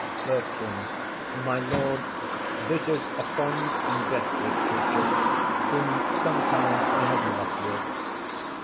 BERTRAM. My lord, this is a fond and desperate creature Whom sometime I have laugh'd with.